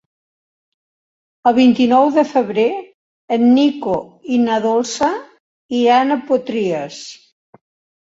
El vint-i-nou de febrer en Nico i na Dolça iran a Potries.